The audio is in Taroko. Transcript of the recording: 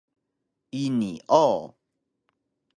Ini o